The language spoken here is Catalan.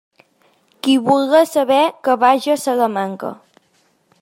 Qui vulga saber, que vaja a Salamanca.